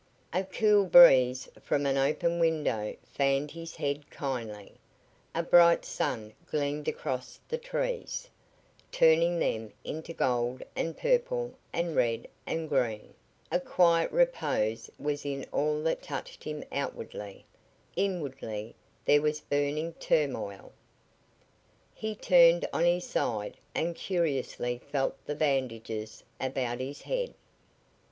A cool breeze from an open window fanned his head kindly; a bright sun gleamed across the trees, turning them into gold and purple and red and green; a quiet repose was in all that touched him outwardly; inwardly there was burning turmoil. He turned on his side and curiously felt the bandages about his head.